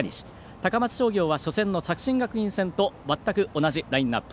高松商業は初戦の作新学院戦とまったく同じラインナップ。